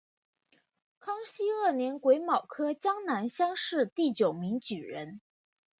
康熙二年癸卯科江南乡试第九名举人。